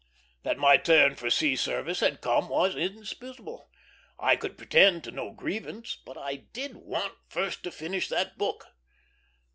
That my turn for sea service had come was indisputable. I could pretend to no grievance, but I did want first to finish that book.